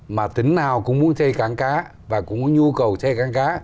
mà tỉnh nào cũng muốn xây cảng cá và cũng có nhu cầu xây cảng cá